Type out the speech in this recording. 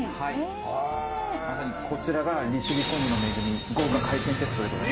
こちらが利尻昆布の恵み豪華海鮮セットでございます。